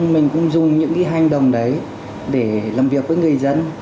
mình cũng dùng những cái hành động đấy để làm việc với người dân